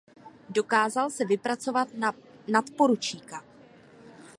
Dokázal se vypracovat na nadporučíka.